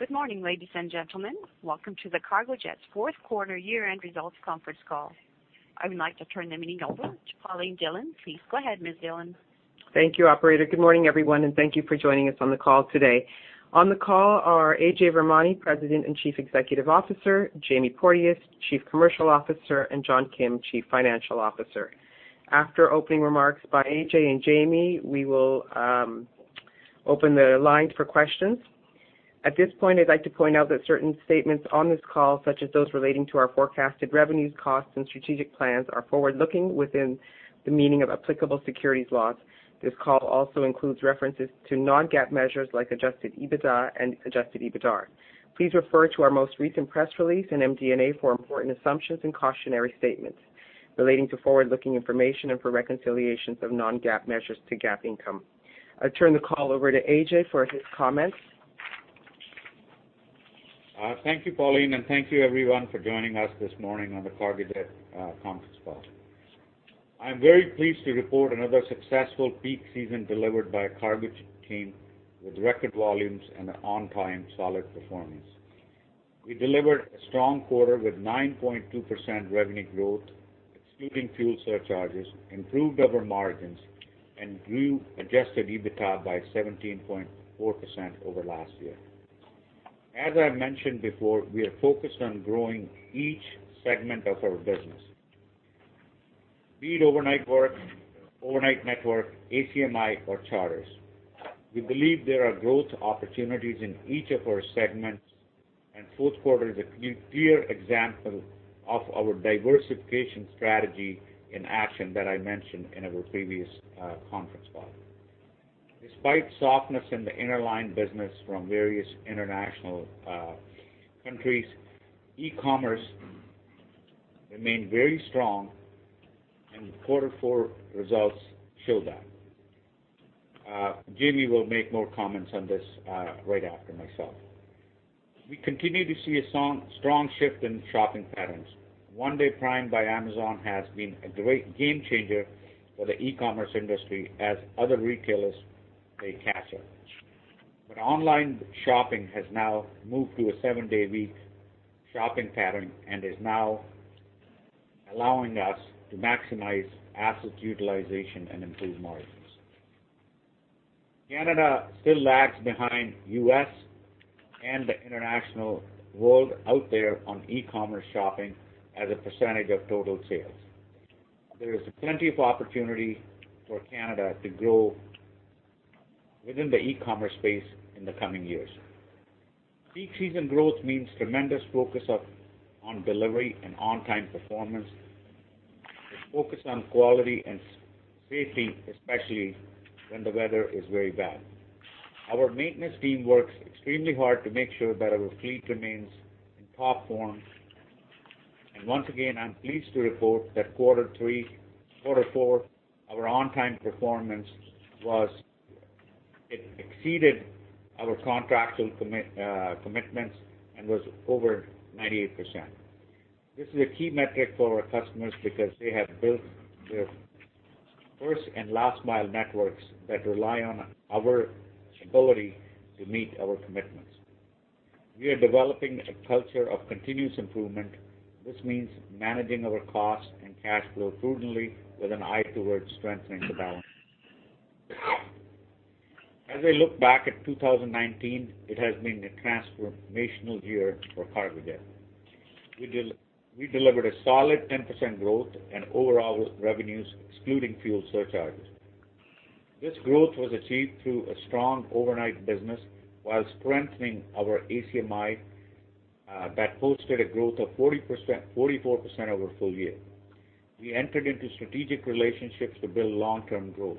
Good morning, ladies and gentlemen. Welcome to the Cargojet's fourth quarter year-end results conference call. I would like to turn the meeting over to Pauline Dhillon. Please go ahead, Ms. Dhillon. Thank you, operator. Good morning, everyone, and thank you for joining us on the call today. On the call are Ajay Virmani, President and Chief Executive Officer, Jamie Porteous, Chief Commercial Officer, and John Kim, Chief Financial Officer. After opening remarks by Ajay and Jamie, we will open the lines for questions. At this point, I'd like to point out that certain statements on this call, such as those relating to our forecasted revenues, costs, and strategic plans, are forward-looking within the meaning of applicable securities laws. This call also includes references to non-GAAP measures like adjusted EBITDA and adjusted EBITDAR. Please refer to our most recent press release in MD&A for important assumptions and cautionary statements relating to forward-looking information and for reconciliations of non-GAAP measures to GAAP income. I turn the call over to Ajay for his comments. Thank you, Pauline, and thank you everyone for joining us this morning on the Cargojet conference call. I'm very pleased to report another successful peak season delivered by a Cargojet team with record volumes and an on-time solid performance. We delivered a strong quarter with 9.2% revenue growth excluding fuel surcharges, improved our margins, and grew adjusted EBITDA by 17.4% over last year. As I mentioned before, we are focused on growing each segment of our business, be it overnight work, overnight network, ACMI, or charters. We believe there are growth opportunities in each of our segments, and fourth quarter is a clear example of our diversification strategy in action that I mentioned in our previous conference call. Despite softness in the interline business from various international countries, e-commerce remained very strong and quarter four results show that. Jamie will make more comments on this right after myself. We continue to see a strong shift in shopping patterns. One-day Prime by Amazon has been a great game changer for the e-commerce industry as other retailers play catch up. Online shopping has now moved to a seven-day-a-week shopping pattern and is now allowing us to maximize asset utilization and improve margins. Canada still lags behind U.S. and the international world out there on e-commerce shopping as a percentage of total sales. There is plenty of opportunity for Canada to grow within the e-commerce space in the coming years. Peak season growth means tremendous focus on delivery and on-time performance, with focus on quality and safety, especially when the weather is very bad. Our maintenance team works extremely hard to make sure that our fleet remains in top form. Once again, I'm pleased to report that quarter four, our on-time performance exceeded our contractual commitments and was over 98%. This is a key metric for our customers because they have built their first and last mile networks that rely on our ability to meet our commitments. We are developing a culture of continuous improvement. This means managing our costs and cash flow prudently with an eye towards strengthening the balance sheet. As I look back at 2019, it has been a transformational year for Cargojet. We delivered a solid 10% growth in overall revenues, excluding fuel surcharges. This growth was achieved through a strong overnight business while strengthening our ACMI, that posted a growth of 44% over full year. We entered into strategic relationships to build long-term growth.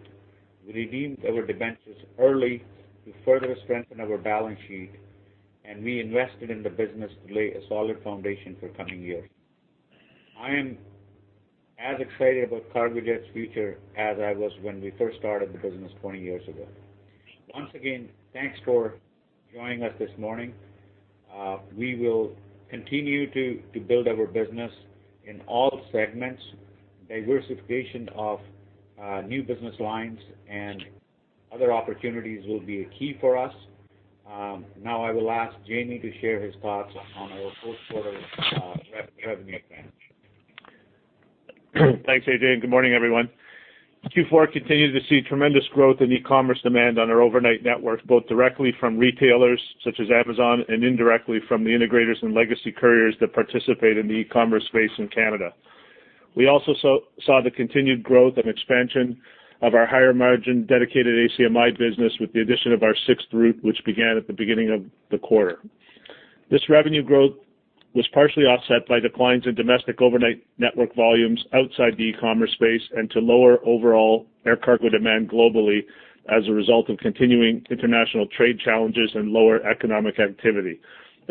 We redeemed our debentures early to further strengthen our balance sheet, and we invested in the business to lay a solid foundation for coming years. I am as excited about Cargojet's future as I was when we first started the business 20 years ago. Once again, thanks for joining us this morning. We will continue to build our business in all segments. Diversification of new business lines and other opportunities will be key for us. Now I will ask Jamie to share his thoughts on our fourth quarter revenue advantage. Thanks, Ajay. Good morning, everyone. Q4 continued to see tremendous growth in e-commerce demand on our overnight network, both directly from retailers such as Amazon and indirectly from the integrators and legacy couriers that participate in the e-commerce space in Canada. We also saw the continued growth and expansion of our higher margin dedicated ACMI business with the addition of our sixth route, which began at the beginning of the quarter. This revenue growth was partially offset by declines in domestic overnight network volumes outside the e-commerce space and to lower overall air cargo demand globally as a result of continuing international trade challenges and lower economic activity.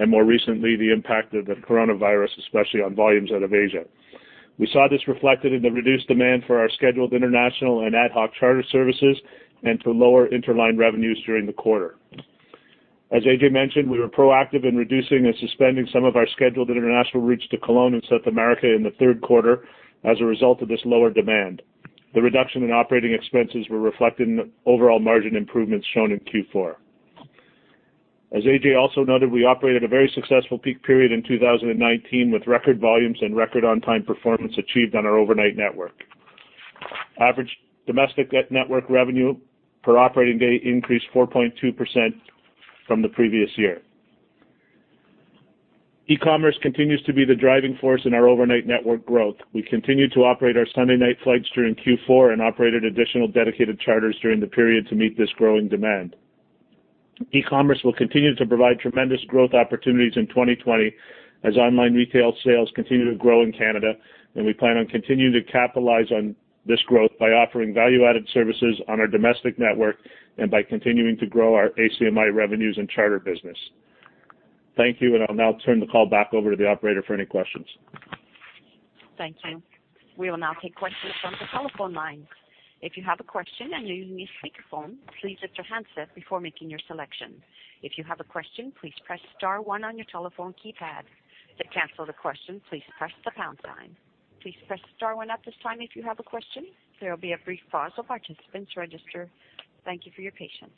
More recently, the impact of the coronavirus, especially on volumes out of Asia. We saw this reflected in the reduced demand for our scheduled international and ad hoc charter services and to lower interline revenues during the quarter. As Ajay mentioned, we were proactive in reducing and suspending some of our scheduled international routes to Cologne and South America in the third quarter as a result of this lower demand. The reduction in operating expenses were reflected in the overall margin improvements shown in Q4. As Ajay also noted, we operated a very successful peak period in 2019 with record volumes and record on-time performance achieved on our overnight network. Average domestic network revenue per operating day increased 4.2% from the previous year. E-commerce continues to be the driving force in our overnight network growth. We continue to operate our Sunday night flights during Q4 and operated additional dedicated charters during the period to meet this growing demand. E-commerce will continue to provide tremendous growth opportunities in 2020 as online retail sales continue to grow in Canada, and we plan on continuing to capitalize on this growth by offering value-added services on our domestic network and by continuing to grow our ACMI revenues and charter business. Thank you, and I'll now turn the call back over to the operator for any questions. Thank you. We will now take questions from the telephone lines. If you have a question and you need to speak phone, please lift your handset before making your selection. If you have a question, please press star one on your telephone keypad. To cancel the question, please press the pound sign. Please press star one at this time if you have a question. There will be a brief pause while participants register. Thank you for your patience.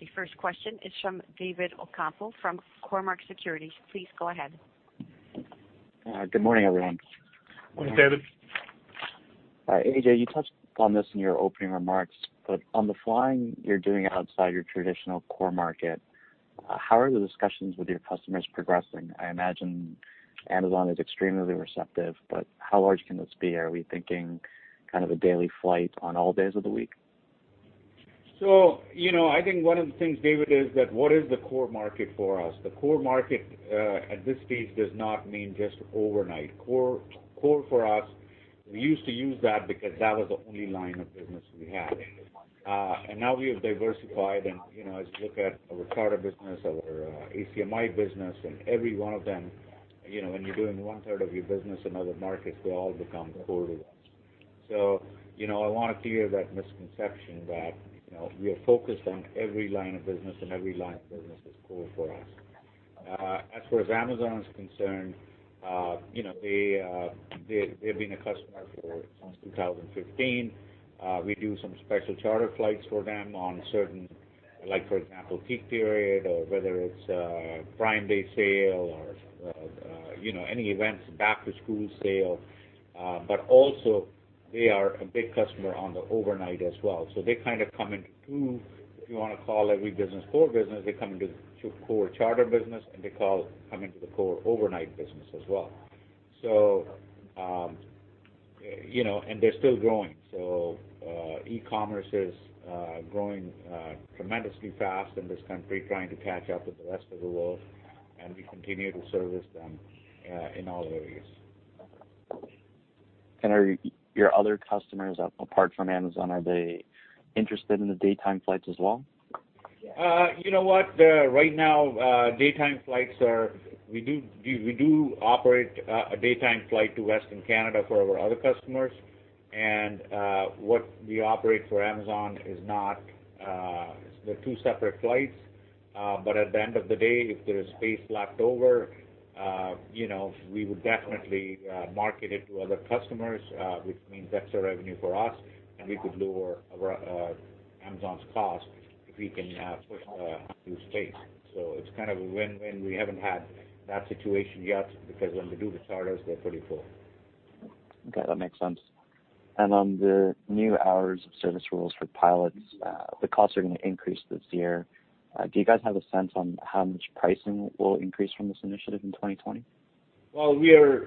The first question is from David Ocampo from Cormark Securities. Please go ahead. Good morning, everyone. Morning, David. Hi, Ajay, you touched on this in your opening remarks, on the flying you're doing outside your traditional core market, how are the discussions with your customers progressing? I imagine Amazon is extremely receptive, how large can this be? Are we thinking kind of a daily flight on all days of the week? I think one of the things, David, is that what is the core market for us? The core market, at this stage, does not mean just overnight. Core for us, we used to use that because that was the only line of business we had. Now we have diversified and, as you look at our charter business, our ACMI business, and every one of them, when you're doing one-third of your business in other markets, they all become core to us. I want to clear that misconception that we are focused on every line of business, and every line of business is core for us. As far as Amazon is concerned, they've been a customer for since 2015. We do some special charter flights for them on certain, for example, peak period or whether it's Prime Day sale or any events, back to school sale. Also, they are a big customer on the overnight as well. They kind of come into two, if you want to call every business core business, they come into core charter business, and they come into the core overnight business as well. They're still growing. E-commerce is growing tremendously fast in this country, trying to catch up with the rest of the world, and we continue to service them in all areas. Are your other customers, apart from Amazon, are they interested in the daytime flights as well? You know what? Right now, daytime flights. We do operate a daytime flight to Western Canada for our other customers. What we operate for Amazon is they're two separate flights. At the end of the day, if there is space left over, we would definitely market it to other customers, which means extra revenue for us, and we could lower Amazon's cost if we can push through space. It's kind of a win-win. We haven't had that situation yet because when we do the charters, they're pretty full. Okay, that makes sense. On the new hours of service rules for pilots, the costs are going to increase this year. Do you guys have a sense on how much pricing will increase from this initiative in 2020? Well, we are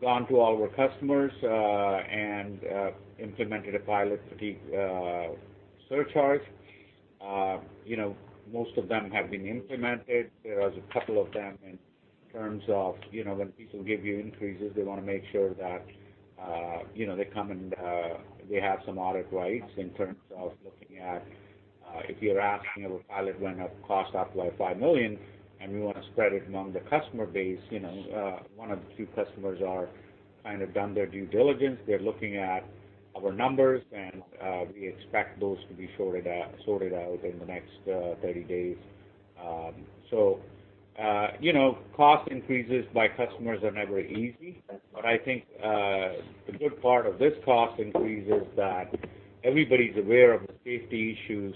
gone to all of our customers and implemented a pilot fatigue surcharge. Most of them have been implemented. There is a couple of them in terms of when people give you increases, they want to make sure that they come and they have some audit rights in terms of looking at if you're asking a pilot when a cost up by 5 million and we want to spread it among the customer base. One of the few customers are kind of done their due diligence. They're looking at our numbers, and we expect those to be sorted out in the next 30 days. Cost increases by customers are never easy, but I think the good part of this cost increase is that everybody's aware of the safety issues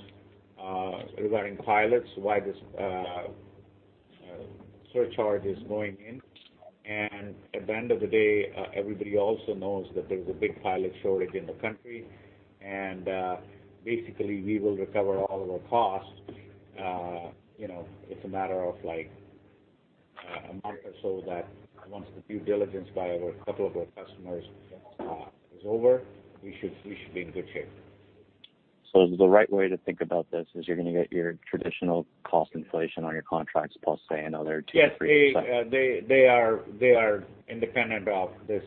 regarding pilots, why this surcharge is going in. At the end of the day, everybody also knows that there's a big pilot shortage in the country. Basically, we will recover all of our costs. It's a matter of a month or so that once the due diligence by a couple of our customers is over, we should be in good shape. Is the right way to think about this is you're going to get your traditional cost inflation on your contracts plus say another 2%, 3%? Yes. They are independent of this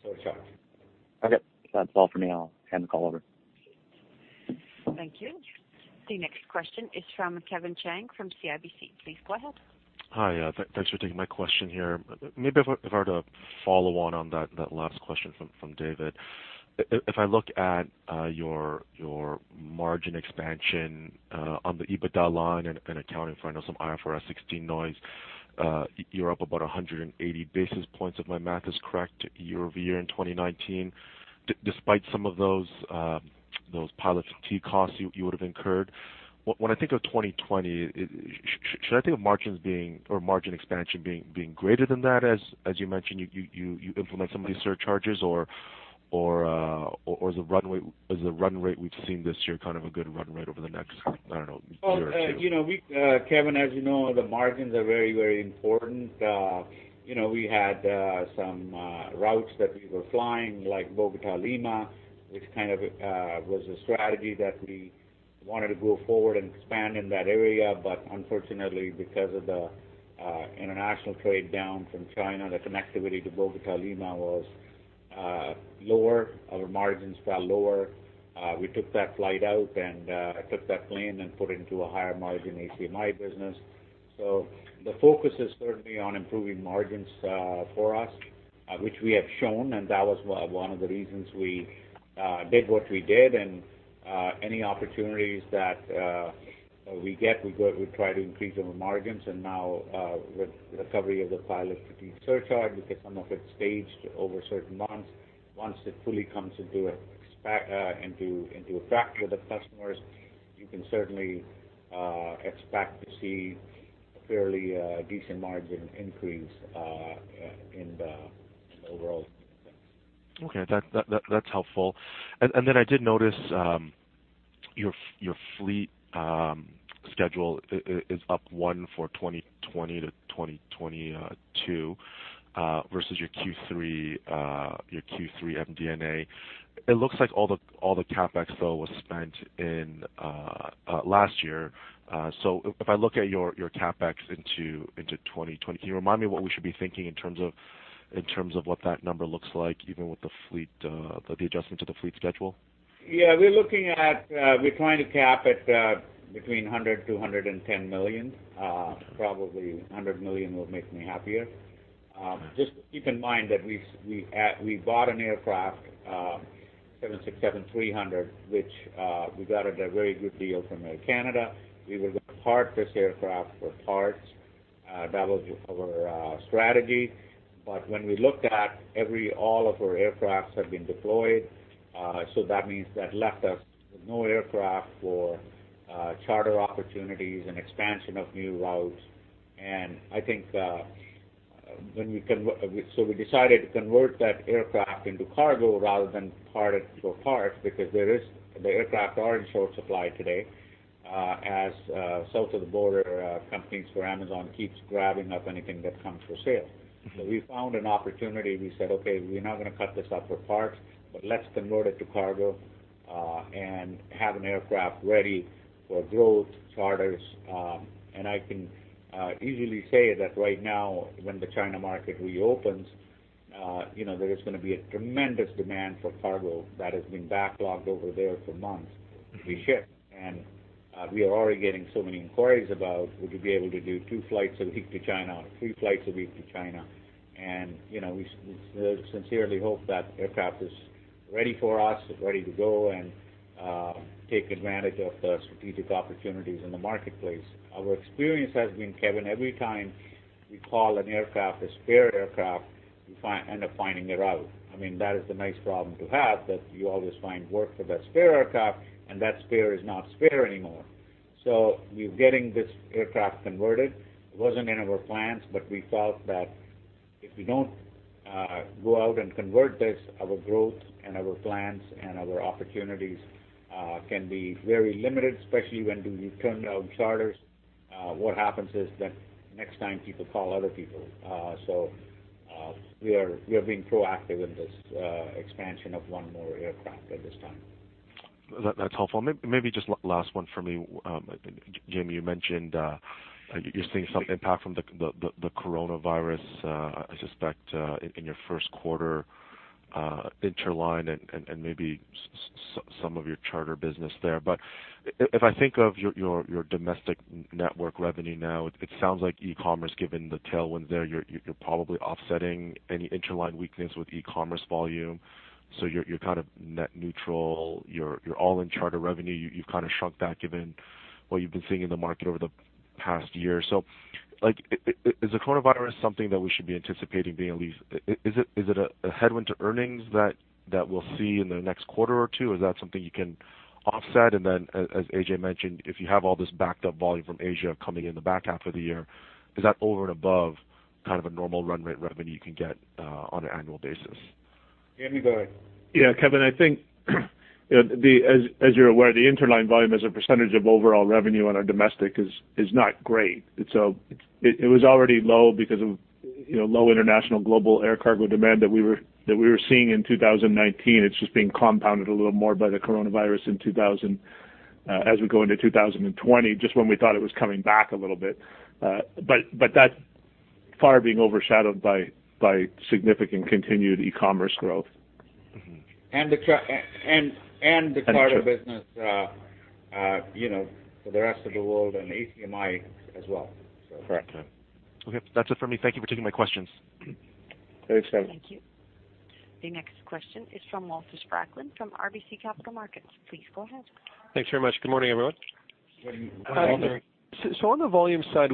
surcharge. Okay. That's all for me. I'll hand the call over. Thank you. The next question is from Kevin Chiang from CIBC. Please go ahead. Hi. Thanks for taking my question here. If I were to follow on that last question from David. If I look at your margin expansion on the EBITDA line and accounting for, I know, some IFRS 16 noise, you're up about 180 basis points if my math is correct year-over-year in 2019. Despite some of those pilot fatigue costs you would've incurred. When I think of 2020, should I think of margin expansion being greater than that, as you mentioned, you implement some of these surcharges or is the run rate we've seen this year kind of a good run rate over the next, I don't know, year or two? Well, Kevin, as you know, the margins are very important. We had some routes that we were flying, like Bogota, Lima, which kind of was a strategy that we wanted to go forward and expand in that area. Unfortunately, because of the international trade down from China, the connectivity to Bogota, Lima was lower. Our margins fell lower. We took that flight out and took that plane and put it into a higher margin ACMI business. The focus is certainly on improving margins for us, which we have shown, and that was one of the reasons we did what we did. Any opportunities that we get, we try to increase our margins. Now, with recovery of the pilot fatigue surcharge, because some of it's staged over certain months, once it fully comes into effect with the customers, you can certainly expect to see a fairly decent margin increase in the overall. Okay. That's helpful. Then I did notice your fleet schedule is up one for 2020 to 2022 versus your Q3 MD&A. It looks like all the CapEx, though, was spent in last year. If I look at your CapEx into 2020, can you remind me what we should be thinking in terms of what that number looks like even with the adjustment to the fleet schedule? Yeah, we're trying to cap at between 100 million to 110 million. Probably 100 million will make me happier. Just keep in mind that we bought an aircraft 767-300, which we got at a very good deal from Air Canada. We were going to part this aircraft for parts. That was our strategy. When we looked at all of our aircraft have been deployed, so that means that left us with no aircraft for charter opportunities and expansion of new routes. We decided to convert that aircraft into cargo rather than part it for parts because the aircraft are in short supply today as south of the border companies for Amazon keeps grabbing up anything that comes for sale. We said, "Okay, we're not going to cut this up for parts, but let's convert it to cargo, and have an aircraft ready for growth charters." I can easily say that right now, when the China market reopens, there is going to be a tremendous demand for cargo that has been backlogged over there for months to be shipped. We are already getting so many inquiries about, would you be able to do two flights a week to China or three flights a week to China? We sincerely hope that aircraft is ready for us, is ready to go and take advantage of the strategic opportunities in the marketplace. Our experience has been, Kevin, every time we call an aircraft a spare aircraft, we end up finding a route. I mean, that is the nice problem to have, that you always find work for that spare aircraft, and that spare is not spare anymore. We're getting this aircraft converted. It wasn't in our plans, but we felt that if we don't go out and convert this, our growth and our plans and our opportunities can be very limited, especially when we turn down charters. What happens is that next time people call other people. We are being proactive in this expansion of one more aircraft at this time. That's helpful. Maybe just last one for me. Jamie, you mentioned you're seeing some impact from the coronavirus, I suspect, in your first quarter interline and maybe some of your charter business there. If I think of your domestic network revenue now, it sounds like e-commerce, given the tailwinds there, you're probably offsetting any interline weakness with e-commerce volume. You're kind of net neutral. You're all in charter revenue. You've kind of shrunk that given what you've been seeing in the market over the past year. Is the coronavirus something that we should be anticipating being a headwind to earnings that we'll see in the next quarter or two, or is that something you can offset? As Ajay mentioned, if you have all this backed up volume from Asia coming in the back half of the year, is that over and above kind of a normal run rate revenue you can get on an annual basis? Jamie, go ahead. Yeah, Kevin, I think as you're aware, the interline volume as a percentage of overall revenue on our domestic is not great. It was already low because of low international global air cargo demand that we were seeing in 2019. It's just being compounded a little more by the coronavirus as we go into 2020, just when we thought it was coming back a little bit. That's far being overshadowed by significant continued e-commerce growth. The charter business for the rest of the world and ACMI as well. Correct. Okay. That's it for me. Thank you for taking my questions. Thanks, Kevin. Thank you. The next question is from Walter Spracklin from RBC Capital Markets. Please go ahead. Thanks very much. Good morning, everyone. Good morning, Walter. On the volume side,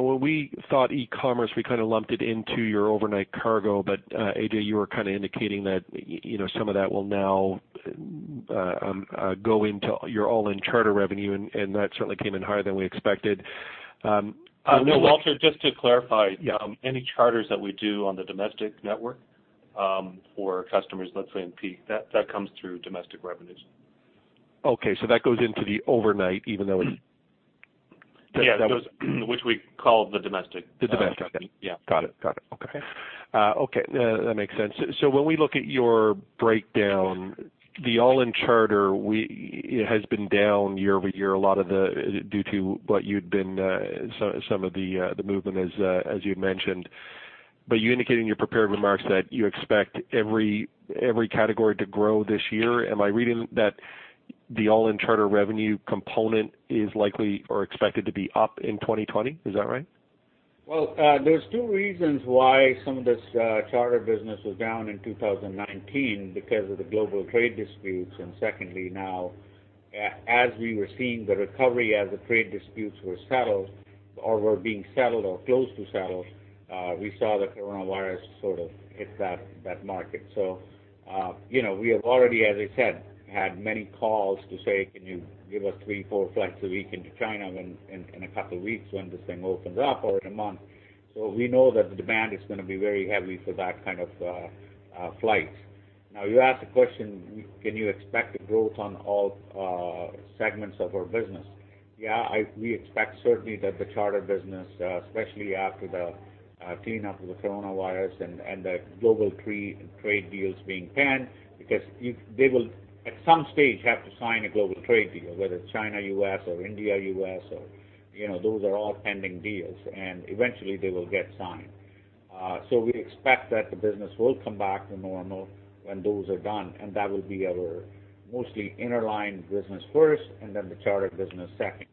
when we thought e-commerce, we kind of lumped it into your overnight cargo, but Ajay, you were kind of indicating that some of that will now go into your all-in charter revenue, and that certainly came in higher than we expected. No, Walter, just to clarify. Yeah. Any charters that we do on the domestic network for customers, let's say in peak, that comes through domestic revenues. Okay, that goes into the overnight, even though it. Yeah. Which we call the domestic. The domestic. Yeah. Got it. Okay. That makes sense. When we look at your breakdown, the all-in charter has been down year-over-year, due to some of the movement as you'd mentioned. You indicated in your prepared remarks that you expect every category to grow this year. Am I reading that the all-in charter revenue component is likely or expected to be up in 2020? Is that right? There's two reasons why some of this charter business was down in 2019 because of the global trade disputes, and secondly, now, as we were seeing the recovery, as the trade disputes were settled or were being settled or close to settled, we saw the coronavirus sort of hit that market. We have already, as I said, had many calls to say, "Can you give us three, four flights a week into China in a couple of weeks when this thing opens up or in a month?" We know that the demand is going to be very heavy for that kind of flights. You asked a question, can you expect a growth on all segments of our business? Yeah, we expect certainly that the charter business, especially after the cleanup of the coronavirus and the global trade deals being penned, because they will, at some stage, have to sign a global trade deal, whether it's China-US or India-US or those are all pending deals, and eventually they will get signed. We expect that the business will come back to normal when those are done, and that will be our mostly interline business first, and then the charter business second.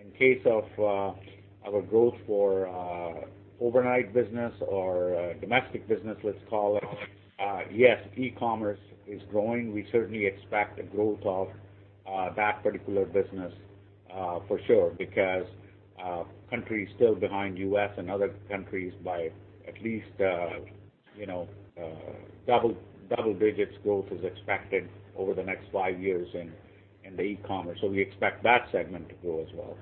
In case of our growth for overnight business or domestic business, let's call it, yes, e-commerce is growing. We certainly expect a growth of that particular business for sure because countries still behind U.S. and other countries by at least double-digits growth is expected over the next five years in the e-commerce. We expect that segment to grow as well.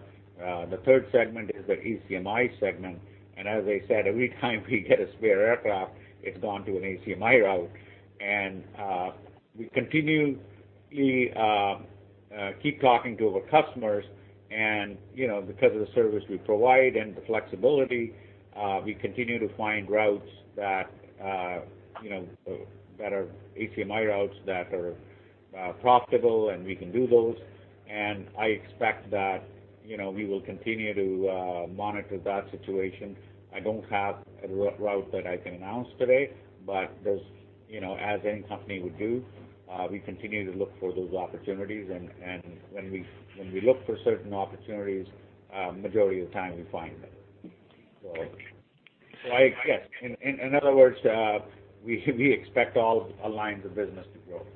The third segment is the ACMI segment. As I said, every time we get a spare aircraft, it's gone to an ACMI route. We continually keep talking to our customers and because of the service we provide and the flexibility, we continue to find routes that are ACMI routes that are profitable and we can do those. I expect that we will continue to monitor that situation. I don't have a route that I can announce today, but as any company would do, we continue to look for those opportunities and when we look for certain opportunities, majority of the time we find them. I guess, in other words, we expect all lines of business to grow.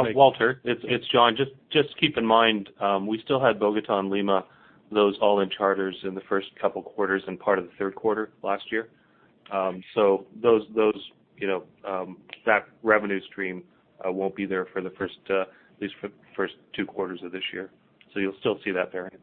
Okay. Walter, it's John. Just keep in mind, we still had Bogota and Lima, those all-in charters in the first couple of quarters and part of the third quarter last year. That revenue stream won't be there at least for the first two quarters of this year. You'll still see that variance.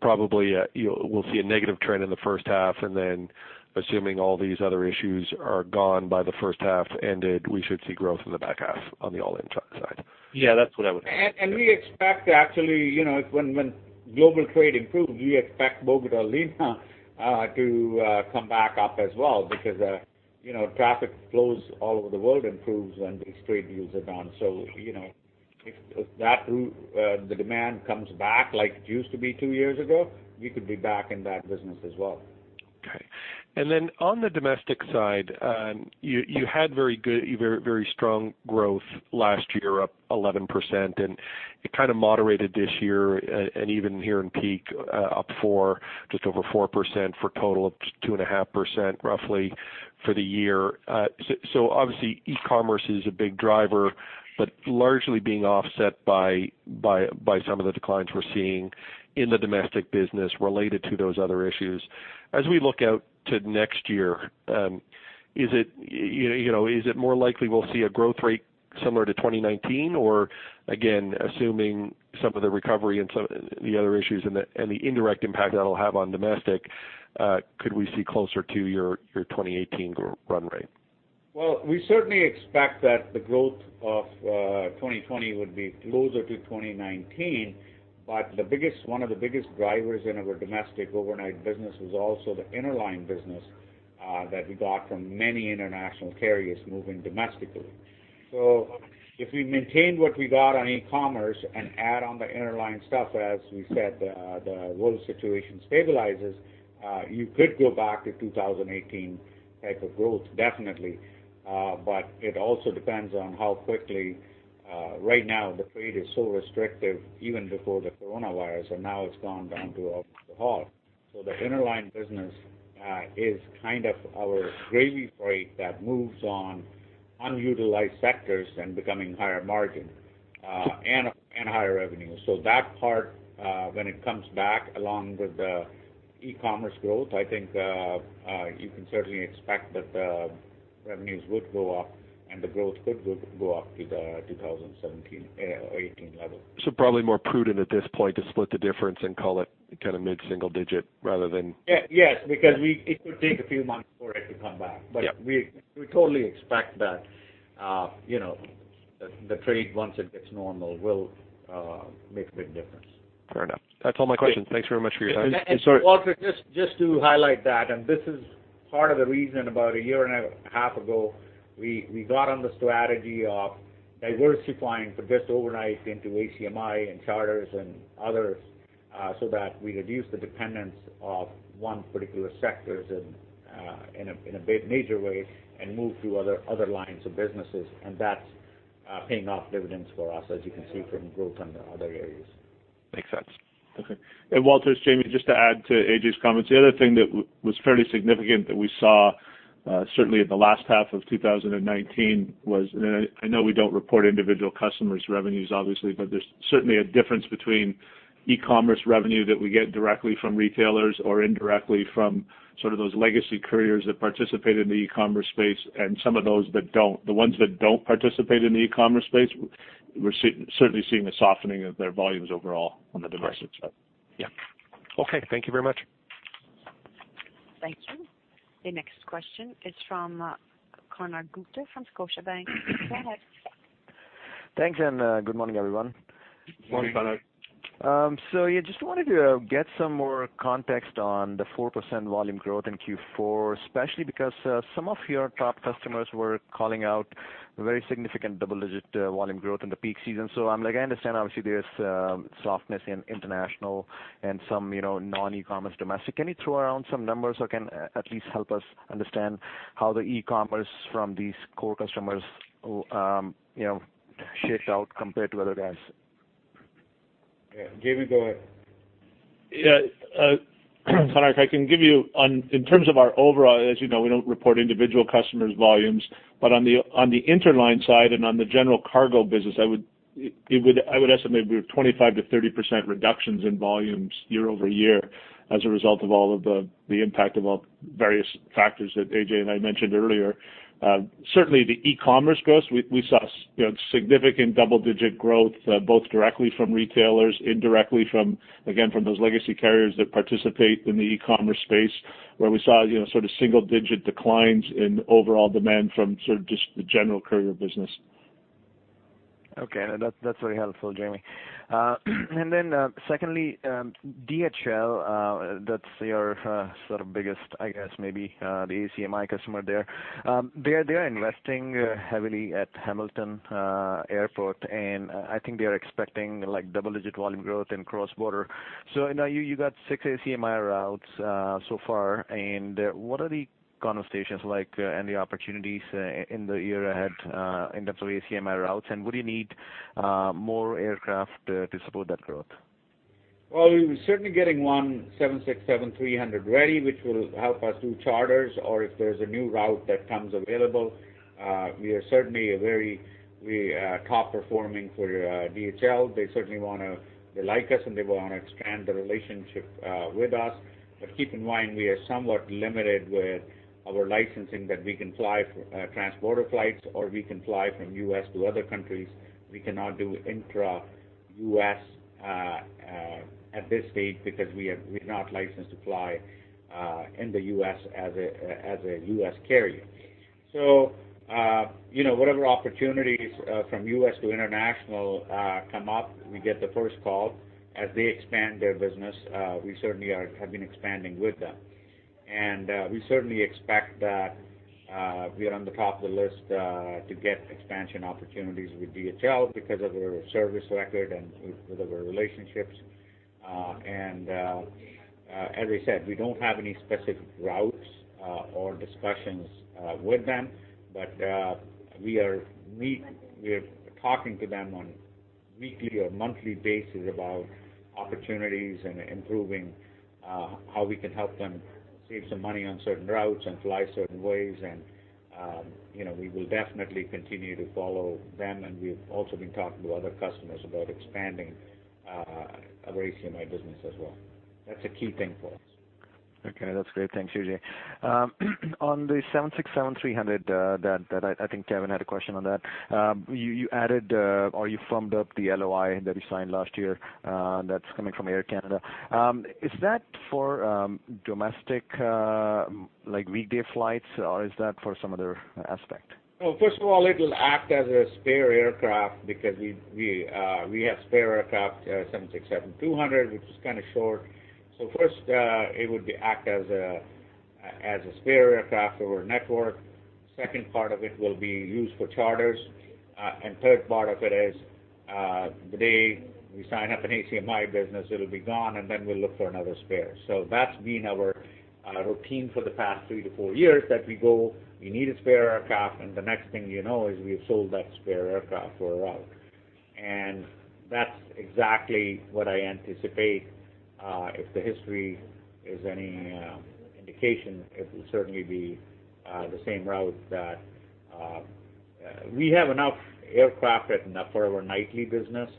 Probably, we'll see a negative trend in the first half, and then assuming all these other issues are gone by the first half ended, we should see growth in the back half on the all-in charter side. Yeah, that's what I would say. We expect actually, when global trade improves, we expect Bogota, Lima to come back up as well because traffic flows all over the world improves when these trade deals are done. If the demand comes back like it used to be two years ago, we could be back in that business as well. Okay. On the domestic side, you had very strong growth last year, up 11%, and it kind of moderated this year, and even here in peak, up four, just over 4% for a total of 2.5% roughly for the year. Obviously e-commerce is a big driver, but largely being offset by some of the declines we're seeing in the domestic business related to those other issues. As we look out to next year, is it more likely we'll see a growth rate similar to 2019 or again, assuming some of the recovery and some of the other issues and the indirect impact that'll have on domestic, could we see closer to your 2018 run rate? We certainly expect that the growth of 2020 would be closer to 2019, but one of the biggest drivers in our domestic overnight business was also the interline business that we got from many international carriers moving domestically. If we maintain what we got on e-commerce and add on the interline stuff, as we said, the world situation stabilizes, you could go back to 2018 type of growth definitely. It also depends on how quickly Right now the trade is so restrictive even before the coronavirus, and now it's gone down to almost a halt. The interline business is kind of our gravy freight that moves on unutilized sectors and becoming higher margin. Higher revenue. That part, when it comes back, along with the e-commerce growth, I think you can certainly expect that the revenues would go up and the growth could go up to the 2017, 2018 level. Probably more prudent at this point to split the difference and call it mid-single digit rather than. Yes. It could take a few months for it to come back. Yeah. We totally expect that the trade, once it gets normal, will make a big difference. Fair enough. That's all my questions. Thanks very much for your time. Walter, just to highlight that, this is part of the reason about a year and a half ago, we got on the strategy of diversifying, but just overnight into ACMI, and charters, and others, so that we reduce the dependence of one particular sectors in a big major way and move to other lines of businesses. That's paying off dividends for us, as you can see from growth on the other areas. Makes sense. Okay. Walter, it's Jamie. Just to add to Ajay's comments, the other thing that was fairly significant that we saw, certainly in the last half of 2019 was, and I know we don't report individual customers' revenues, obviously, but there's certainly a difference between e-commerce revenue that we get directly from retailers or indirectly from sort of those legacy couriers that participate in the e-commerce space and some of those that don't. The ones that don't participate in the e-commerce space, we're certainly seeing a softening of their volumes overall on the domestic side. Yeah. Okay. Thank you very much. Thank you. The next question is from Konark Gupta from Scotiabank. Go ahead. Thanks, and good morning, everyone. Morning, Konark. Yeah, just wanted to get some more context on the 4% volume growth in Q4, especially because some of your top customers were calling out very significant double-digit volume growth in the peak season. I understand, obviously, there's softness in international and some non-e-commerce domestic. Can you throw around some numbers or can at least help us understand how the e-commerce from these core customers shaped out compared to other guys? Yeah. Jamie, go ahead. Yeah, Konark, I can give you in terms of our overall, as you know, we don't report individual customers' volumes, but on the interline side and on the general cargo business, I would estimate we have 25%-30% reductions in volumes year-over-year as a result of all of the impact of various factors that Ajay and I mentioned earlier. Certainly, the e-commerce growth, we saw significant double-digit growth both directly from retailers, indirectly from, again, from those legacy carriers that participate in the e-commerce space, where we saw sort of single-digit declines in overall demand from sort of just the general courier business. Okay. No, that's very helpful, Jamie. Secondly, DHL, that's your sort of biggest, I guess, maybe, the ACMI customer there. They are investing heavily at Hamilton Airport. I think they are expecting double-digit volume growth in cross-border. I know you got six ACMI routes so far, what are the conversations like and the opportunities in the year ahead in terms of ACMI routes, and would you need more aircraft to support that growth? Well, we're certainly getting one 767-300 ready, which will help us do charters, or if there's a new route that comes available. We are certainly very top-performing for DHL. They certainly like us, they want to expand the relationship with us. Keep in mind, we are somewhat limited with our licensing that we can fly transborder flights, or we can fly from U.S. to other countries. We cannot do intra-U.S. at this stage because we are not licensed to fly in the U.S. as a U.S. carrier. Whatever opportunities from U.S. to international come up, we get the first call. As they expand their business, we certainly have been expanding with them. We certainly expect that we are on the top of the list to get expansion opportunities with DHL because of their service record and with our relationships. As I said, we don't have any specific routes or discussions with them, but we are talking to them on weekly or monthly basis about opportunities and improving how we can help them save some money on certain routes and fly certain ways. We will definitely continue to follow them, and we've also been talking to other customers about expanding our ACMI business as well. That's a key thing for us. Okay. That's great. Thanks, Ajay. On the 767-300, that I think Kevin had a question on that. You added or you firmed up the LOI that you signed last year that's coming from Air Canada. Is that for domestic weekday flights, or is that for some other aspect? Well, first of all, it will act as a spare aircraft because we have spare aircraft, 767-200, which is kind of short. First, it would act as a spare aircraft for our network. Second part of it will be used for charters. Third part of it is, the day we sign up an ACMI business, it'll be gone, and then we'll look for another spare. That's been our routine for the past three to four years, that we go, we need a spare aircraft, and the next thing you know is we have sold that spare aircraft for a route. That's exactly what I anticipate. If the history is any indication, it will certainly be the same route. We have enough aircraft for our nightly business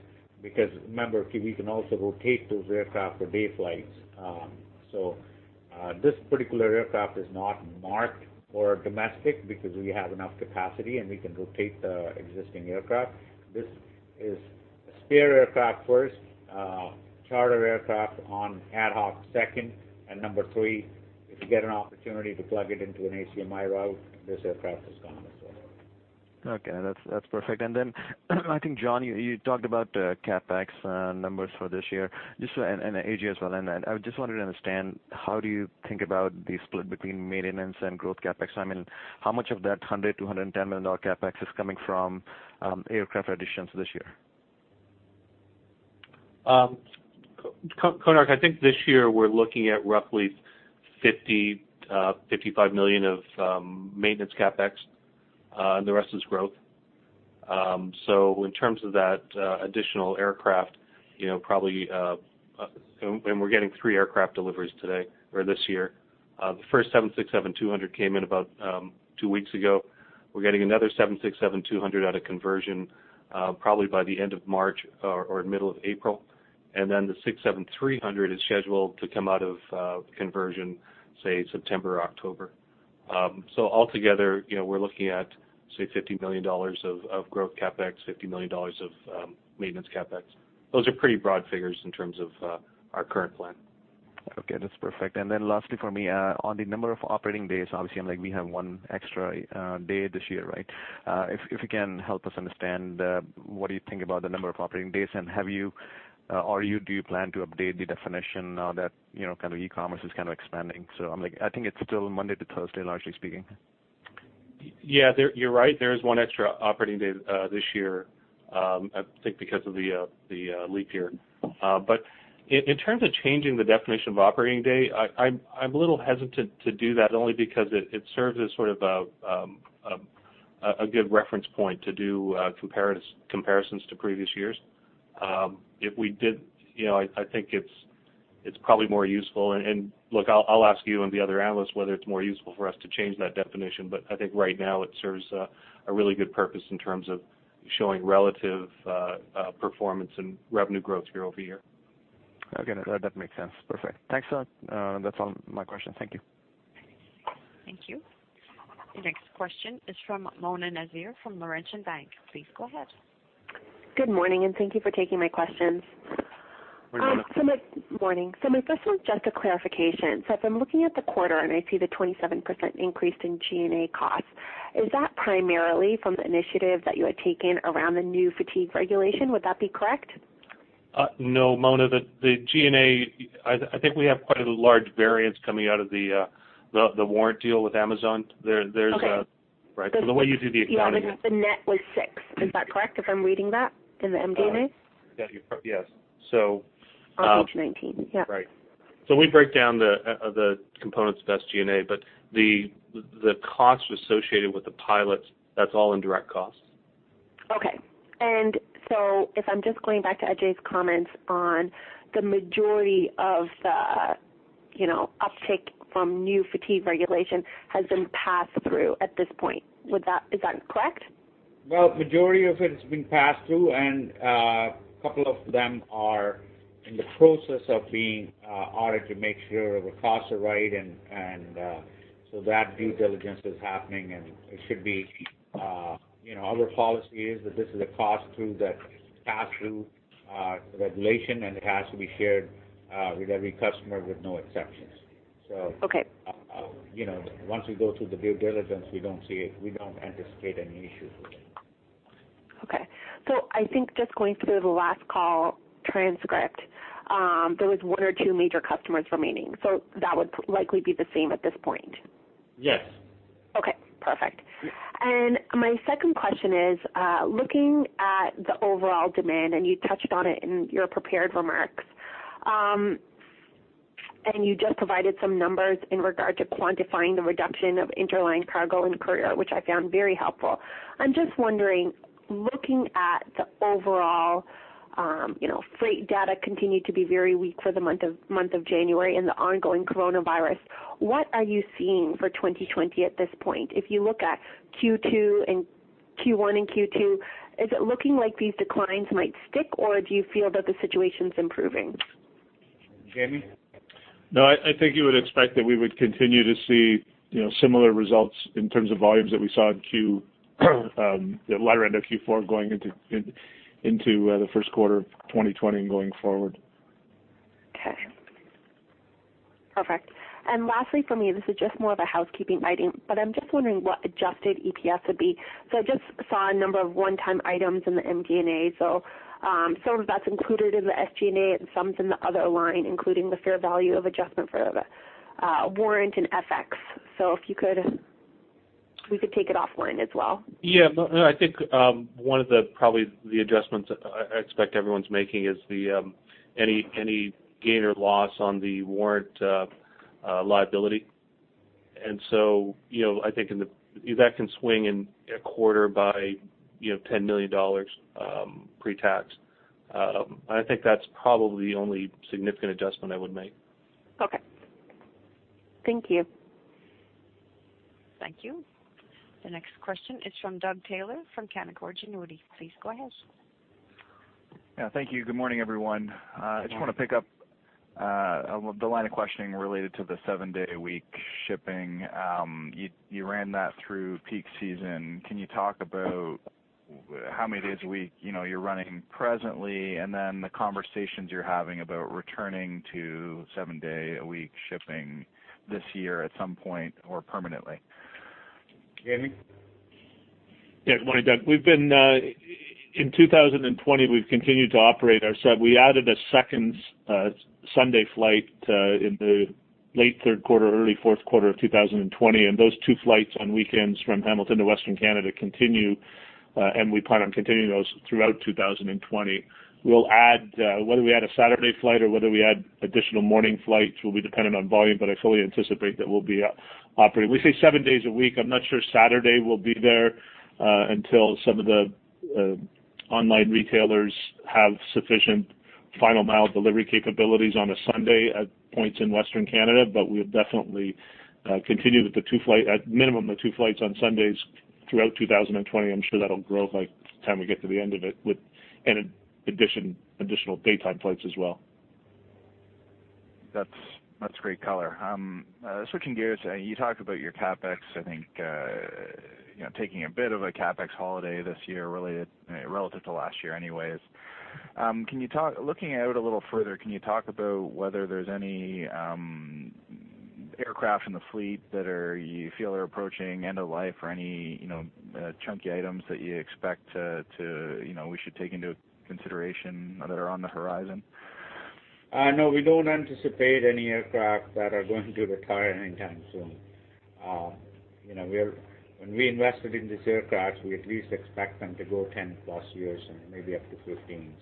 because remember, we can also rotate those aircraft for day flights. This particular aircraft is not marked for domestic because we have enough capacity, and we can rotate the existing aircraft. This is spare aircraft first, charter aircraft on ad hoc second, and number three, if you get an opportunity to plug it into an ACMI route, this aircraft is gone as well. Okay. That's perfect. Then I think, John, you talked about CapEx numbers for this year and Ajay as well, I just wanted to understand how do you think about the split between maintenance and growth CapEx? How much of that 100 million, 210 million dollar CapEx is coming from aircraft additions this year? Konark, I think this year we're looking at roughly 50 million-55 million of maintenance CapEx, and the rest is growth. In terms of that additional aircraft, and we're getting three aircraft deliveries today or this year. The first 767-200 came in about two weeks ago. We're getting another 767-200 out of conversion probably by the end of March or middle of April. The 767-300 is scheduled to come out of conversion, say, September or October. Altogether, we're looking at, say, 50 million dollars of growth CapEx, 50 million dollars of maintenance CapEx. Those are pretty broad figures in terms of our current plan. Okay, that's perfect. Then lastly for me, on the number of operating days, obviously, we have one extra day this year, right? If you can help us understand what you think about the number of operating days, and do you plan to update the definition now that e-commerce is expanding? I think it's still Monday to Thursday, largely speaking. Yeah, you're right. There is one extra operating day this year, I think because of the leap year. In terms of changing the definition of operating day, I'm a little hesitant to do that only because it serves as sort of a good reference point to do comparisons to previous years. If we did, I think it's probably more useful, and look, I'll ask you and the other analysts whether it's more useful for us to change that definition. I think right now it serves a really good purpose in terms of showing relative performance and revenue growth year-over-year. Okay. That makes sense. Perfect. Thanks a lot. That's all my questions. Thank you. Thank you. Your next question is from Mona Nazir from Laurentian Bank. Please go ahead. Good morning, and thank you for taking my questions. Morning, Mona. Morning. This was just a clarification. If I'm looking at the quarter and I see the 27% increase in G&A costs, is that primarily from the initiative that you had taken around the new fatigue regulation? Would that be correct? No, Mona. The G&A, I think we have quite a large variance coming out of the warrant deal with Amazon. Okay. Right. The way you do the accounting. Yeah, the net was six. Is that correct if I'm reading that in the MD&A? Yeah. On page 19. Yeah. Right. We break down the components of SG&A, but the costs associated with the pilots, that's all in direct costs. Okay. If I'm just going back to Ajay's comments on the majority of the uptick from new fatigue regulation has been passed through at this point. Is that correct? Well, majority of it has been passed through, and a couple of them are in the process of being audited to make sure the costs are right, and so that due diligence is happening, and it should be. Our policy is that this is a cost through the pass-through regulation, and it has to be shared with every customer with no exceptions. Okay. Once we go through the due diligence, we don't anticipate any issues with it. Okay. I think just going through the last call transcript, there was one or two major customers remaining. That would likely be the same at this point. Yes. Okay, perfect. My second question is, looking at the overall demand, you touched on it in your prepared remarks. You just provided some numbers in regard to quantifying the reduction of interline cargo and courier, which I found very helpful. I'm just wondering, looking at the overall freight data continued to be very weak for the month of January and the ongoing coronavirus, what are you seeing for 2020 at this point? If you look at Q1 and Q2, is it looking like these declines might stick, or do you feel that the situation's improving? Jamie? I think you would expect that we would continue to see similar results in terms of volumes that we saw in the latter end of Q4 going into the first quarter of 2020 and going forward. Lastly for me, this is just more of a housekeeping item, but I am just wondering what adjusted EPS would be. I just saw a number of one-time items in the MD&A. Some of that is included in the SG&A and some is in the other line, including the fair value of adjustment for the warrant and FX. If you could, we could take it off warrant as well. Yeah, no, I think one of the probably the adjustments I expect everyone's making is any gain or loss on the warrant liability. I think that can swing in a quarter by 10 million dollars pre-tax. I think that's probably the only significant adjustment I would make. Okay. Thank you. Thank you. The next question is from Doug Taylor from Canaccord Genuity. Please go ahead. Yeah. Thank you. Good morning, everyone. I just want to pick up the line of questioning related to the seven-day-a-week shipping. You ran that through peak season. Can you talk about how many days a week you're running presently, and then the conversations you're having about returning to seven-day-a-week shipping this year at some point, or permanently? Jamie? Good morning, Doug. In 2020, we've continued to operate our We added a second Sunday flight in the late third quarter, early fourth quarter of 2020, and those two flights on weekends from Hamilton to Western Canada continue, and we plan on continuing those throughout 2020. Whether we add a Saturday flight or whether we add additional morning flights will be dependent on volume, I fully anticipate that we'll be operating, we say seven days a week. I'm not sure Saturday will be there until some of the online retailers have sufficient final mile delivery capabilities on a Sunday at points in Western Canada. We'll definitely continue with, at minimum, the two flights on Sundays throughout 2020. I'm sure that'll grow by the time we get to the end of it, with an addition of additional daytime flights as well. That's great color. Switching gears. You talked about your CapEx, I think, taking a bit of a CapEx holiday this year relative to last year anyways. Looking out a little further, can you talk about whether there's any aircraft in the fleet that you feel are approaching end of life or any chunky items that you expect we should take into consideration that are on the horizon? We don't anticipate any aircraft that are going to retire anytime soon. When we invested in these aircraft, we at least expect them to go 10+ years and maybe up to 15.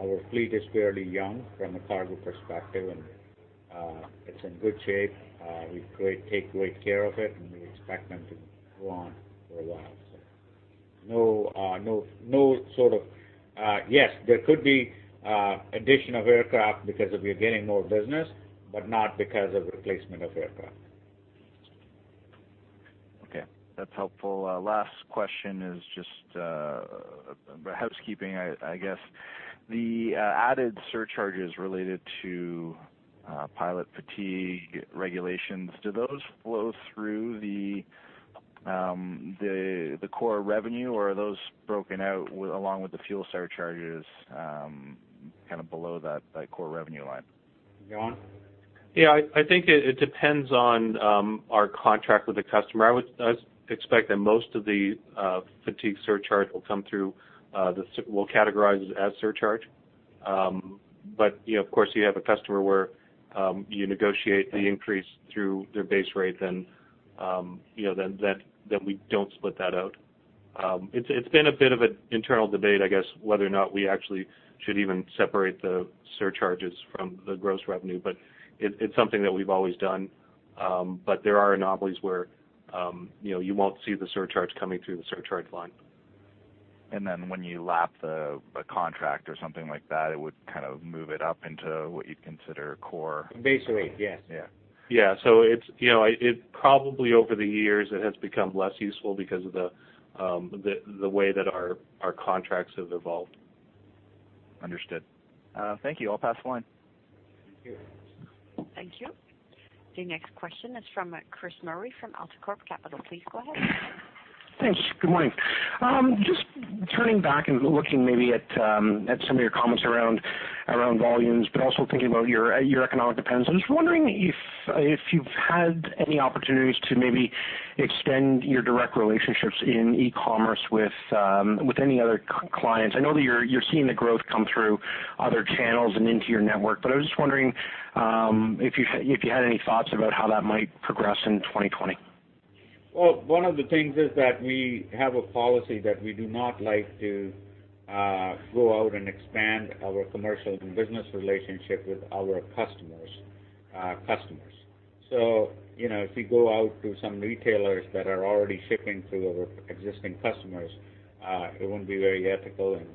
Our fleet is fairly young from a cargo perspective, and it's in good shape. We take great care of it, we expect them to go on for a while. There could be addition of aircraft because we are getting more business, not because of replacement of aircraft. Okay, that's helpful. Last question is just housekeeping, I guess. The added surcharges related to pilot fatigue regulations, do those flow through the core revenue, or are those broken out along with the fuel surcharges below that core revenue line? John? Yeah, I think it depends on our contract with the customer. I would expect that most of the fatigue surcharge we'll categorize as surcharge. Of course, you have a customer where you negotiate the increase through their base rate, then we don't split that out. It's been a bit of an internal debate, I guess, whether or not we actually should even separate the surcharges from the gross revenue, but it's something that we've always done. There are anomalies where you won't see the surcharge coming through the surcharge line. When you lap the contract or something like that, it would move it up into what you'd consider core. Basically, yes. Yeah. Yeah. Probably over the years, it has become less useful because of the way that our contracts have evolved. Understood. Thank you. I'll pass the line. Thank you. Thank you. Your next question is from Chris Murray from AltaCorp Capital. Please go ahead. Thanks. Good morning. Just turning back and looking maybe at some of your comments around volumes, but also thinking about your economic dependence, I'm just wondering if you've had any opportunities to maybe extend your direct relationships in e-commerce with any other clients. I know that you're seeing the growth come through other channels and into your network, but I was just wondering if you had any thoughts about how that might progress in 2020. Well, one of the things is that we have a policy that we do not like to go out and expand our commercial and business relationship with our customers' customers. If we go out to some retailers that are already shipping through our existing customers, it won't be very ethical and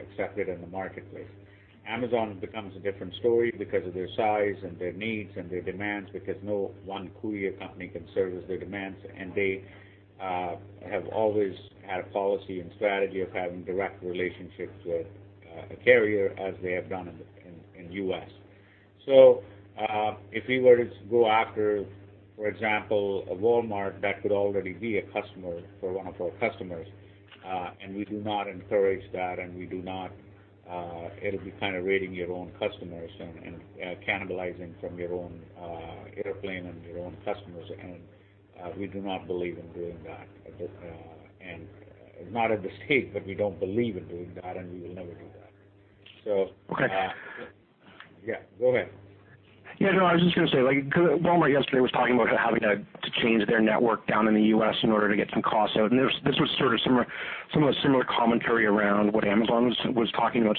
accepted in the marketplace. Amazon becomes a different story because of their size and their needs and their demands because no one courier company can service their demands, and they have always had a policy and strategy of having direct relationships with a carrier as they have done in U.S. If we were to go after, for example, a Walmart that could already be a customer for one of our customers, we do not encourage that. It'll be kind of raiding your own customers and cannibalizing from your own airplane and your own customers. We do not believe in doing that. Not at the stake. We don't believe in doing that. We will never do that. Okay. Yeah, go ahead. Yeah, no, I was just going to say, Walmart yesterday was talking about having to change their network down in the U.S. in order to get some costs out, and this was some of the similar commentary around what Amazon was talking about.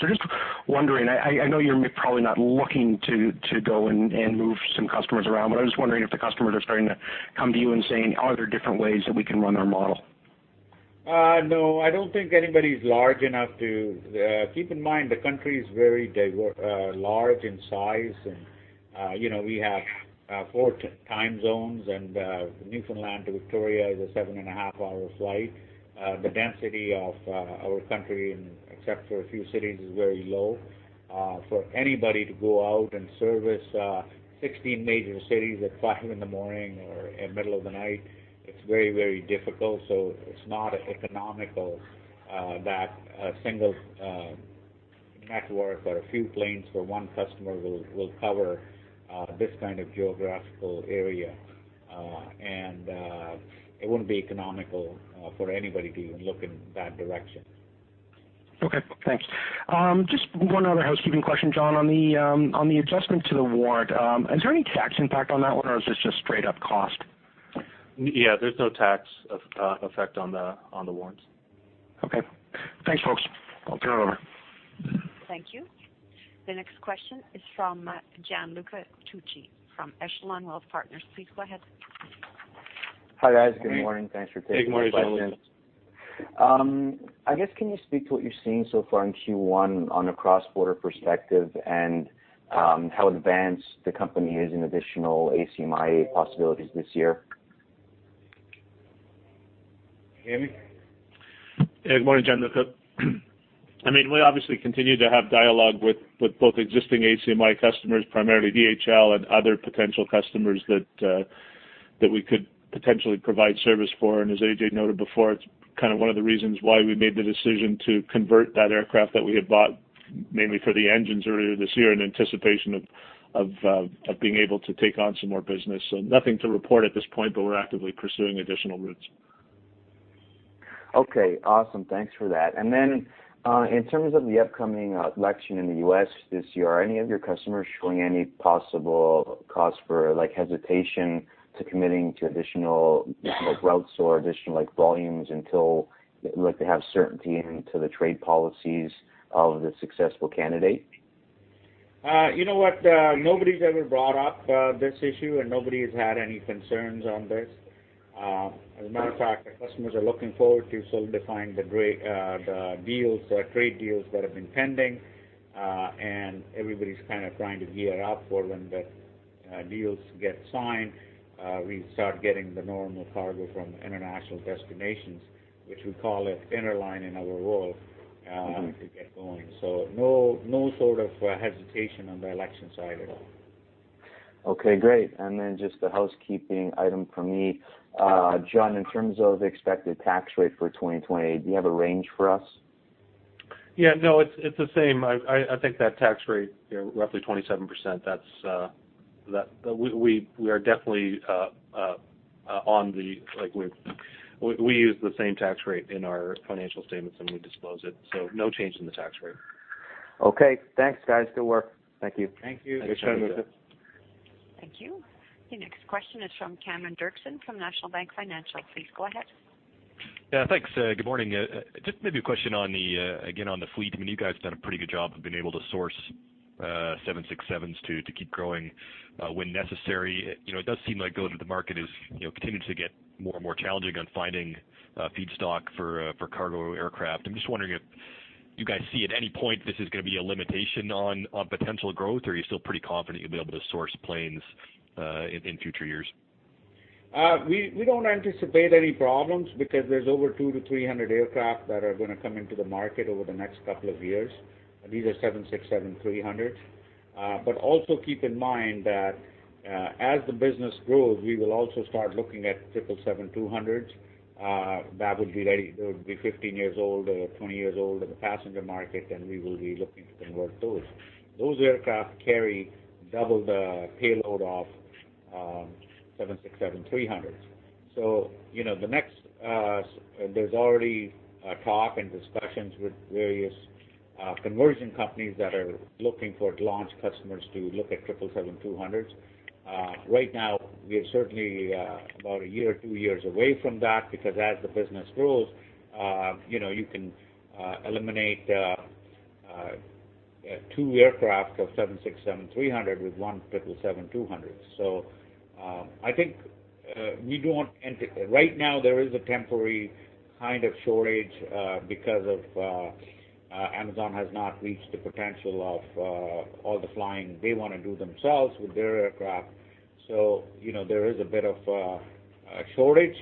Wondering, I know you're probably not looking to go and move some customers around, but I was wondering if the customers are starting to come to you and saying, "Are there different ways that we can run our model? I don't think anybody's large enough to. Keep in mind, the country is very large in size, and we have four time zones, and Newfoundland to Victoria is a seven-and-a-half-hour flight. The density of our country, except for a few cities, is very low. For anybody to go out and service 16 major cities at 5:00 in the morning or in middle of the night, it's very difficult. It's not economical that a single network or a few planes for one customer will cover this kind of geographical area. It wouldn't be economical for anybody to even look in that direction. Okay, thanks. Just one other housekeeping question, John, on the adjustment to the warrant. Is there any tax impact on that one, or is this just straight-up cost? Yeah, there's no tax effect on the warrants. Okay. Thanks, folks. I'll turn it over. Thank you. The next question is from Gianluca Tucci from Echelon Wealth Partners. Please go ahead. Hi, guys. Good morning. Thanks for taking my questions. Good morning, Gianluca. I guess, can you speak to what you're seeing so far in Q1 on a cross-border perspective and how advanced the company is in additional ACMI possibilities this year? Jamie? Good morning, Gianluca. We obviously continue to have dialogue with both existing ACMI customers, primarily DHL, and other potential customers that we could potentially provide service for. As Ajay noted before, it's one of the reasons why we made the decision to convert that aircraft that we had bought mainly for the engines earlier this year in anticipation of being able to take on some more business. Nothing to report at this point, but we're actively pursuing additional routes. Okay. Awesome. Thanks for that. In terms of the upcoming election in the U.S. this year, are any of your customers showing any possible cause for hesitation to committing to additional routes or additional volumes until they have certainty into the trade policies of the successful candidate? You know what? Nobody's ever brought up this issue, and nobody's had any concerns on this. As a matter of fact, the customers are looking forward to solidifying the trade deals that have been pending. Everybody's kind of trying to gear up for when the deals get signed. We start getting the normal cargo from international destinations, which we call it interline in our world, to get going. No sort of hesitation on the election side at all. Okay, great. Just a housekeeping item from me. John, in terms of expected tax rate for 2020, do you have a range for us? Yeah, no, it's the same. I think that tax rate, roughly 27%, we use the same tax rate in our financial statements, and we disclose it, so no change in the tax rate. Okay. Thanks, guys. Good work. Thank you. Thank you. Thanks, Gianluca. Thank you. The next question is from Cameron Doerksen from National Bank Financial. Please go ahead. Yeah, thanks. Good morning. Just maybe a question, again, on the fleet. You guys have done a pretty good job of being able to source 767s to keep growing when necessary. It does seem like going to the market is continuing to get more and more challenging on finding feedstock for cargo aircraft. I'm just wondering if you guys see at any point this is going to be a limitation on potential growth, or are you still pretty confident you'll be able to source planes in future years? We don't anticipate any problems because there's over 200-300 aircraft that are going to come into the market over the next couple of years. These are 767-300s. Also keep in mind that as the business grows, we will also start looking at 777-200s. That would be ready. They would be 15 years old or 20 years old in the passenger market, we will be looking to convert those. Those aircraft carry double the payload of 767-300s. There's already talk and discussions with various conversion companies that are looking for launch customers to look at 777-200s. Right now, we are certainly about a year or two years away from that because as the business grows, you can eliminate two aircraft of 767-300 with one 777-200. I think right now there is a temporary kind of shortage because Amazon has not reached the potential of all the flying they want to do themselves with their aircraft. There is a bit of a shortage,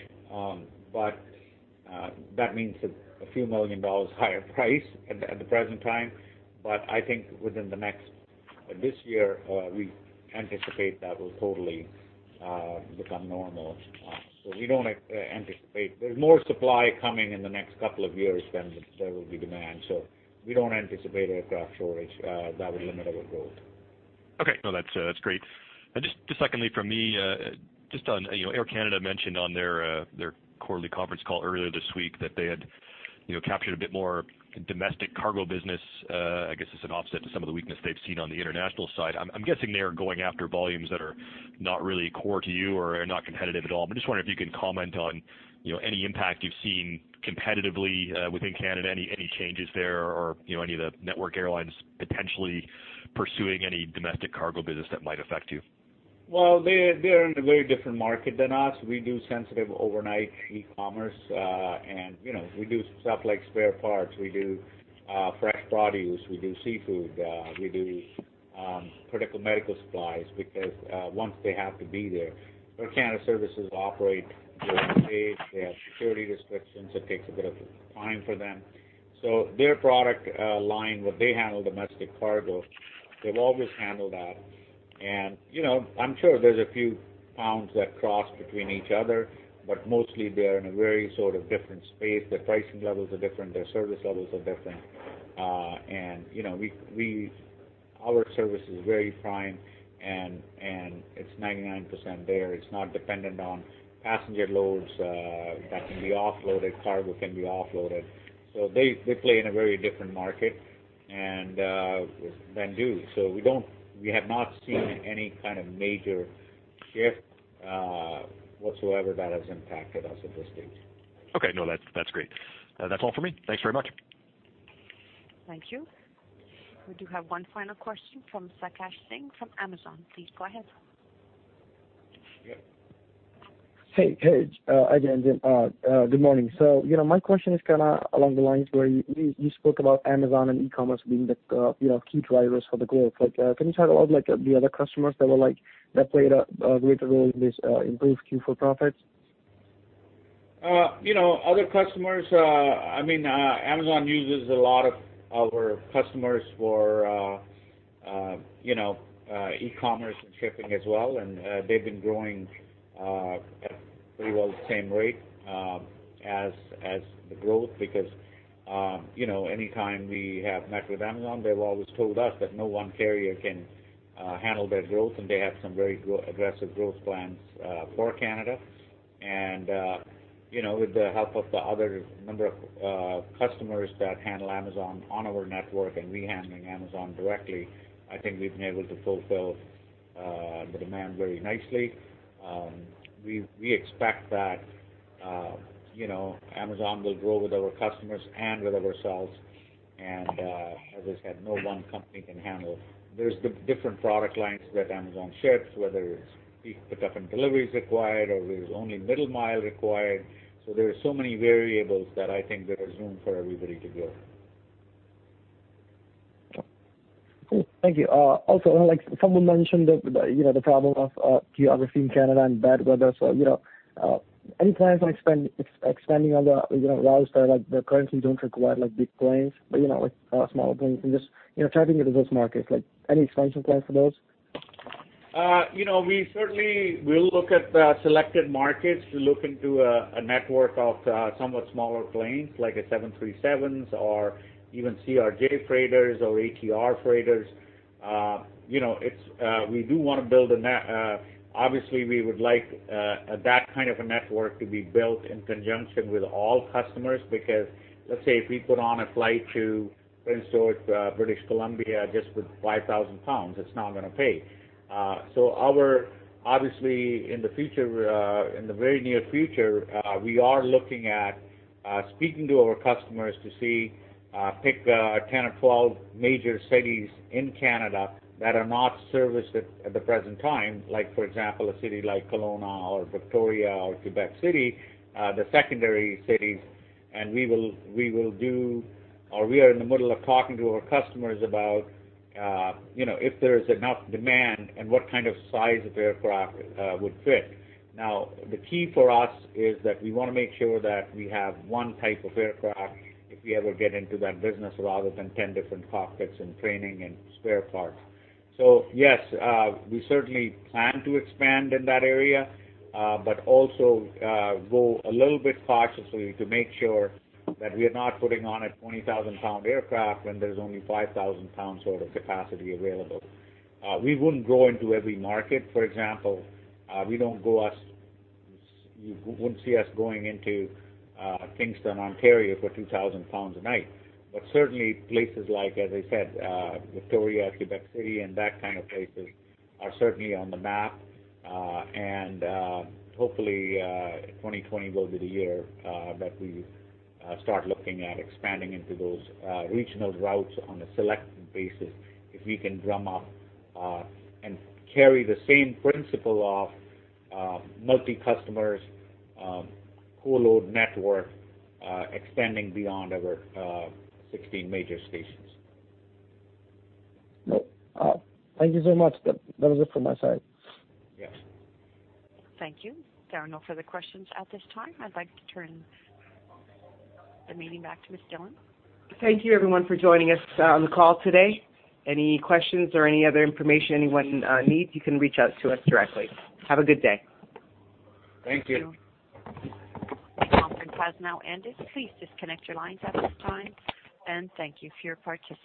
but that means a few million dollars higher price at the present time. I think within this year, we anticipate that will totally become normal. We don't anticipate There's more supply coming in the next couple of years than there will be demand, so we don't anticipate aircraft shortage that would limit our growth. Okay. No, that's great. Just secondly from me, Air Canada mentioned on their quarterly conference call earlier this week that they had captured a bit more domestic cargo business. I guess as an offset to some of the weakness they've seen on the international side. I'm guessing they are going after volumes that are not really core to you or are not competitive at all. I'm just wondering if you can comment on any impact you've seen competitively within Canada, any changes there, or any of the network airlines potentially pursuing any domestic cargo business that might affect you? Well, they're in a very different market than us. We do sensitive overnight e-commerce. We do stuff like spare parts. We do fresh produce, we do seafood, we do critical medical supplies, because once they have to be there, Air Canada services operate. They have security restrictions. It takes a bit of time for them. Their product line, where they handle domestic cargo, they've always handled that. I'm sure there's a few pounds that cross between each other, but mostly they're in a very different space. Their pricing levels are different, their service levels are different. Our service is very prime, and it's 99% there. It's not dependent on passenger loads that can be offloaded, cargo can be offloaded. They play in a very different market than we do. We have not seen any kind of major shift whatsoever that has impacted us at this stage. Okay. No, that's great. That's all for me. Thanks very much. Thank you. We do have one final question from [Sakash Singh] from Amazon. Please go ahead. Hey. Ajay and Jamie, good morning. My question is along the lines where you spoke about Amazon and e-commerce being the key drivers for the growth. Can you talk about the other customers that played a greater role in this improved Q4 profit? Other customers, Amazon uses a lot of our customers for e-commerce and shipping as well, and they've been growing at pretty well the same rate as the growth because anytime we have met with Amazon, they've always told us that no one carrier can handle their growth, and they have some very aggressive growth plans for Canada. With the help of the other number of customers that handle Amazon on our network and we handling Amazon directly, I think we've been able to fulfill the demand very nicely. We expect that Amazon will grow with our customers and with ourselves, and as I said, no one company can handle. There's different product lines that Amazon ships, whether it's peak pickup and delivery is required or it is only middle mile required. There are so many variables that I think there is room for everybody to grow. Cool. Thank you. Someone mentioned the problem of geography in Canada and bad weather. Any plans on expanding on the routes that currently don't require big planes, but with small planes and just tapping into those markets, any expansion plans for those? We certainly will look at selected markets to look into a network of somewhat smaller planes like a 737s or even CRJ freighters or ATR freighters. Obviously, we would like that kind of a network to be built in conjunction with all customers because, let's say, if we put on a flight to Prince George, British Columbia, just with 5,000 lbs, it's not going to pay. Obviously, in the very near future, we are looking at speaking to our customers to see, pick 10 or 12 major cities in Canada that are not serviced at the present time. Like, for example, a city like Kelowna or Victoria or Quebec City, the secondary cities. We are in the middle of talking to our customers about if there is enough demand and what kind of size of aircraft would fit. The key for us is that we want to make sure that we have one type of aircraft if we ever get into that business rather than 10 different cockpits and training and spare parts. Yes, we certainly plan to expand in that area, but also go a little bit cautiously to make sure that we are not putting on a 20,000-lbs aircraft when there's only 5,000 lbs sort of capacity available. We wouldn't go into every market. For example, you wouldn't see us going into Kingston, Ontario, for 2,000 lbs a night. Certainly places like, as I said, Victoria, Quebec City, and that kind of places are certainly on the map. Hopefully, 2020 will be the year that we start looking at expanding into those regional routes on a selective basis if we can drum up and carry the same principle of multi-customers pool load network extending beyond our 16 major stations. No. Thank you so much. That was it from my side. Yes. Thank you. There are no further questions at this time. I'd like to turn the meeting back to Ms. Dhillon. Thank you everyone for joining us on the call today. Any questions or any other information anyone needs, you can reach out to us directly. Have a good day. Thank you. Thank you. The conference has now ended. Please disconnect your lines at this time, and thank you for your participation.